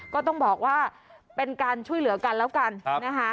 ก็ต้องบอกว่าเป็นการช่วยเหลือกันแล้วกันนะคะ